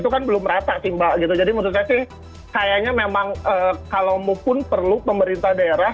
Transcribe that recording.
itu kan belum rata sih mbak gitu jadi menurut saya sih kayaknya memang kalau mu pun perlu pemerintah daerah